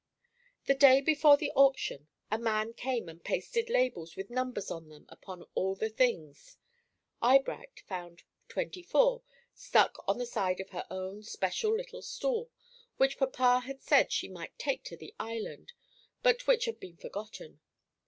The day before the auction, a man came and pasted labels with numbers on them upon all the things. Eyebright found "24" stuck on the side of her own special little stool, which papa had said she might take to the Island, but which had been forgotten.